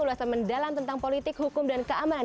ulasan mendalam tentang politik hukum dan keamanan